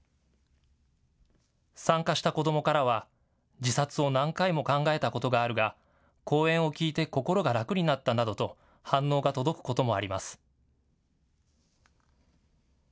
参加した子どもからは自殺を何回も考えたことがあるが講演を聞いて心が楽になったなどと反応が届くこともあります。